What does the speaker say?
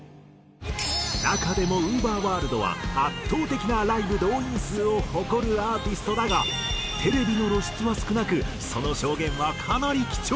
中でもＵＶＥＲｗｏｒｌｄは圧倒的なライブ動員数を誇るアーティストだがテレビの露出は少なくその証言はかなり貴重。